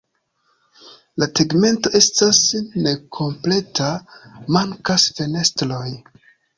La tegmento estas nekompleta, mankas fenestroj.